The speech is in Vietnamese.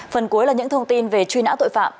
phần cuối là những thông tin về truy nã tội phạm